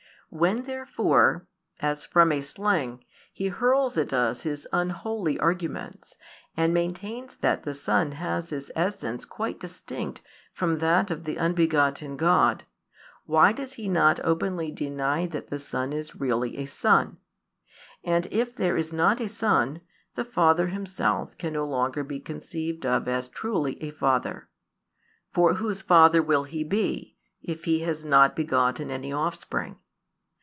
When therefore, as from a sling, he hurls at us his unholy arguments, and maintains that the Son has His essence quite distinct from that of the Unbegotten God, why does He not openly deny that the Son is really a Son? And if there is not a Son, the Father Himself can no longer be conceived of as truly a Father. For whose Father will He be, if He has not begotten any Offspring?